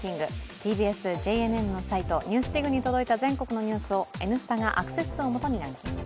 ＴＢＳ・ＪＮＮのサイト「ＮＥＷＳＤＩＧ」に届いた全国のニュースを「Ｎスタ」がアクセス数をもとにランキング。